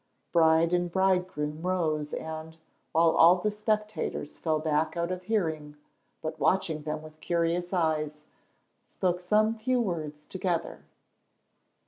Bride and bridegroom rose and, while all the spectators fell back out of hearing, but watching them with curious eyes, spoke some few words together.